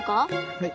はい。